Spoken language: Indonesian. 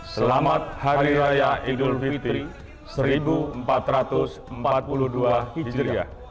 selamat hari raya idul fitri seribu empat ratus empat puluh dua hijriah